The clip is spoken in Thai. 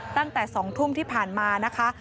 ตั้งแต่๒ทุ่มที่ผ่านมานะคะ